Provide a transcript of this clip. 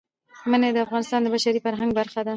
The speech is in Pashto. منی د افغانستان د بشري فرهنګ برخه ده.